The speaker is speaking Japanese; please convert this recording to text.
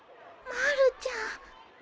まるちゃん。